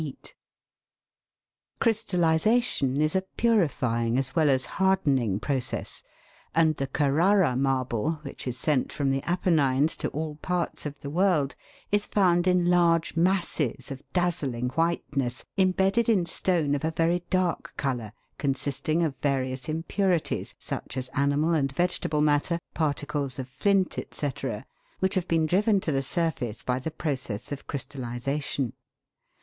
MAGNESIAN LIMESTONE. 145 Crystallisation is a purifying as well as hardening process, and the Carrara marble, which is sent from the Apennines to all parts of the world, is found in large masses of dazzling whiteness, embedded in stone of a very dark colour, con sisting of various impurities, such as animal and vegetable matter, particles of flint, &c., which have been driven to the surface by the process of crystallisation.